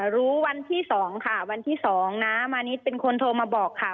รู้วันที่๒ค่ะวันที่๒น้ามานิดเป็นคนโทรมาบอกค่ะ